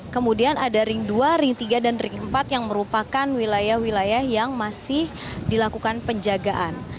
kemudian ada ring dua ring tiga dan ring empat yang merupakan wilayah wilayah yang masih dilakukan penjagaan